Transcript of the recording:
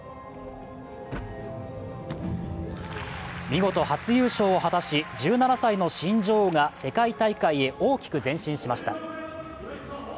見事初優勝を果たし、１７歳の新女王が世界大会へ大きく前進しました。